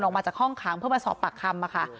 ออกมาจากห้องค้างเพื่อมาสอบปากคำค่ะ